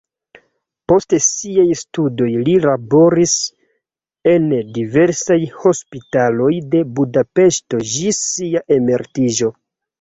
Post siaj studoj li laboris en diversaj hospitaloj de Budapeŝto ĝis sia emeritiĝo.